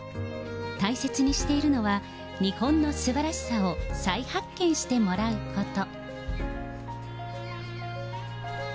大切にしているのは、日本のすばらしさを再発見してもらうこと。